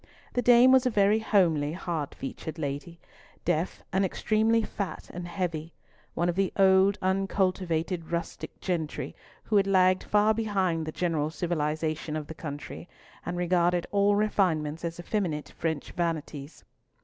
The Dame was a very homely, hard featured lady, deaf, and extremely fat and heavy, one of the old uncultivated rustic gentry who had lagged far behind the general civilisation of the country, and regarded all refinements as effeminate French vanities.